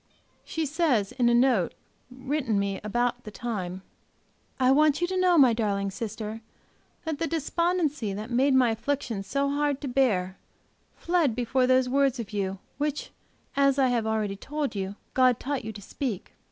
She says, in a note written me about the time: "I want you to know, my darling sister, that the despondency that made my affliction so hard to bear fled before those words of yours which, as I have already told you, God taught you to speak.